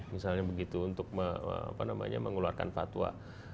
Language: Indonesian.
misalnya begitu untuk mengeluarkan fatwa